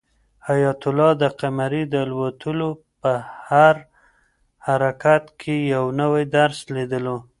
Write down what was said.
حیات الله د قمرۍ د الوتلو په هر حرکت کې یو نوی درس لیدلو.